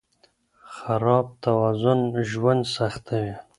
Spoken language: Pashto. خراب توازن ژوند سختوي.